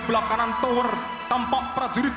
kenapa udah termasuk